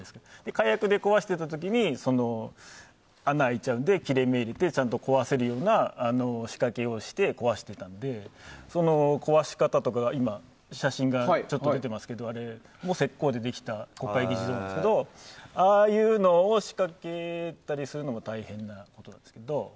火薬で壊してた時に穴が開いちゃうので切れ目を入れて、壊せるような仕掛けをして、壊していたので壊し方とかが今、写真が出てましたけど石膏でできた国会議事堂ですがああいうのを仕掛けたりするのも大変なことなんですけど。